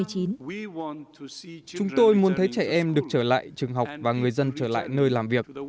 chúng tôi muốn thấy trẻ em được trở lại trường học và người dân trở lại nơi làm việc